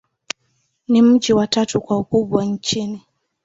Ni mji wa tatu kwa ukubwa nchini.